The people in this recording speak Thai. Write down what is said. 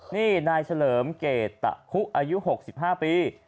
นี่นายเฉลิมเกตตะคุอายุ๖๕ปี